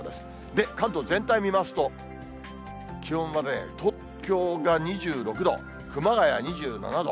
で、関東全体見ますと、気温はね、東京が２６度、熊谷２７度。